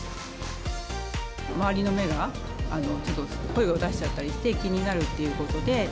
周りの目が、ちょっと声を出しちゃったりして、気になるっていうことで。